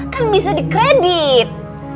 kan bisa dikredit